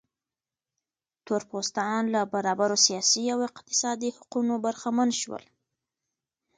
تور پوستان له برابرو سیاسي او اقتصادي حقونو برخمن شول.